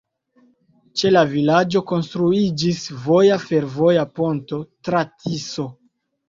Ĉe la vilaĝo konstruiĝis voja-fervoja ponto tra Tiso.